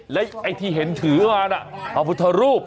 และไอ้ที่เห็นถือมาน่ะเอาพุทธรูป